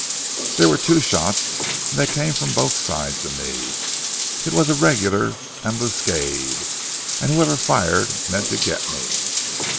"There were two shots, and they came from both sides of me. It was a regular ambuscade, and whoever fired meant to get me."